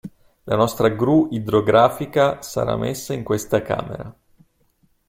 La nostra gru idrografica sarà messa in questa camera.